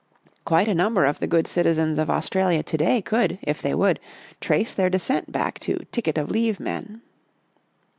Quite a number of the good citizens of Australia to day, could, if they would, trace their descent back to ' ticket of leave ' men."